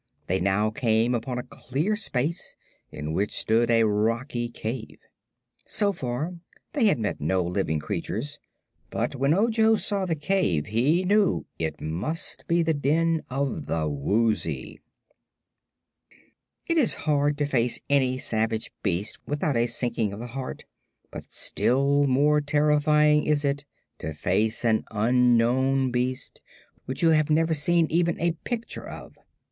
They now came upon a clear space in which stood a rocky cave. So far they had met no living creature, but when Ojo saw the cave he knew it must be the den of the Woozy. It is hard to face any savage beast without a sinking of the heart, but still more terrifying is it to face an unknown beast, which you have never seen even a picture of.